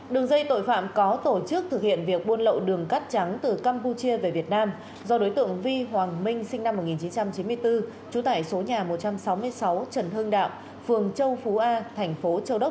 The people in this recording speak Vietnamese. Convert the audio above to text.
đường dây tội phạm có tổ chức thực hiện việc buôn lậu đường cắt trắng từ campuchia về việt nam do đối tượng vi hoàng minh sinh năm một nghìn chín trăm chín mươi bốn trú tại số nhà một trăm sáu mươi sáu trần hưng đạo phường châu phú a thành phố châu đốc